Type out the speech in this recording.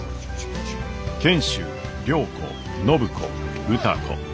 賢秀良子暢子歌子。